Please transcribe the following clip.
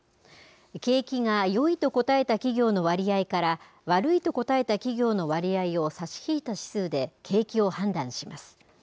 景気がよいと答えた企業の割合から悪いと答えた企業の割合を差し引いた指数で景気を判断します。